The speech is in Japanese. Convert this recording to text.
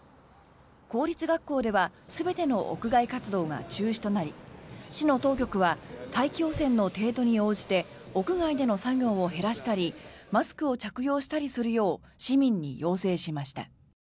公立学校では全ての屋外活動が中止となり市の当局は大気汚染の程度に応じて屋外での作業を減らしたりマスクを着用したりするよう市民に要請しました。